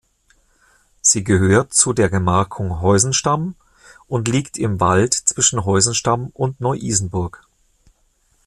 Sie gehört zu der Gemarkung Heusenstamm und liegt im Wald zwischen Heusenstamm und Neu-Isenburg.